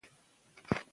بریا تیارې ختموي.